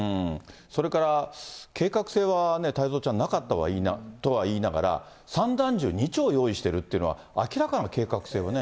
それから計画性は、太蔵ちゃん、なかったとは言いながら、散弾銃２丁用意してるというのは、明らかな計画性がね。